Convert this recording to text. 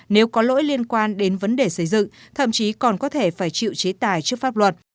nếu có lỗi liên quan đến vấn đề xây dựng thậm chí còn có thể phải chịu chế tài trước pháp luật